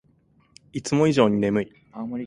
いつも以上に眠い